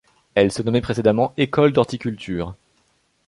Elle se nommait précédemment Ecole d'horticulture.